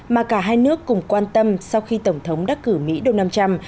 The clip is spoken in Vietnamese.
mà cả hai nước cùng quan tâm sau khi tổng thống đắc cử mỹ đông nam trăm